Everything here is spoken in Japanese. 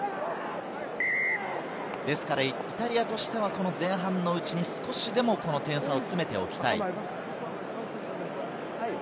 ですからイタリアとしては、前半のうちに少しでも点差を詰めておきたい。